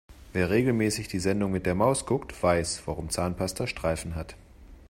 Wer regelmäßig die Sendung mit der Maus guckt, weiß warum Zahnpasta Streifen hat.